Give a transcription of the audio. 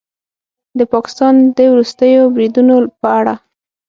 د پاکستان د وروستیو بریدونو په اړه